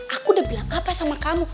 aku udah bilang apa sama kamu